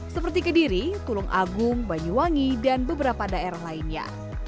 seperti kediri tulung agung banyuwangi dan beberapa daerah lainnya